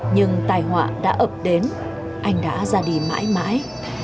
nhưng tài họa đã ập đến anh đã ra đi mãi mãi